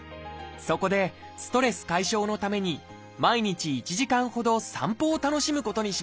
そこでストレス解消のために毎日１時間ほど散歩を楽しむことにしました。